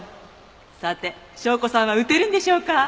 さて紹子さんは撃てるんでしょうか？